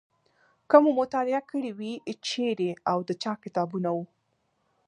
که مو مطالعه کړي وي چیرې او د چا کتابونه وو.